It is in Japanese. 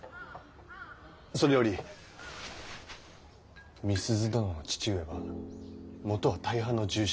それより美鈴殿の父上は元は大藩の重臣。